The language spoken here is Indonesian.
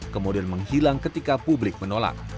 kemudian menghilang ketika publik menolak